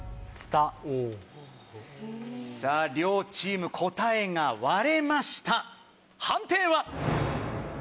さぁ両チーム答えが割れました判定は？